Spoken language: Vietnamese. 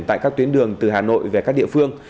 tại các tuyến đường từ hà nội về các địa phương